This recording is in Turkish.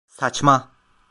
Saçma!